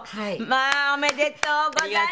まあおめでとうございました！